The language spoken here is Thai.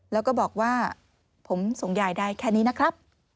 แล้วก็บอกว่าผมส่งยายได้แค่นี้นะครับ